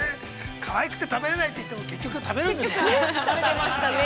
◆かわいくて、食べれないって言っても、結局は食べるんですね。